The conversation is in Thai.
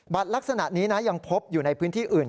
ลักษณะนี้นะยังพบอยู่ในพื้นที่อื่น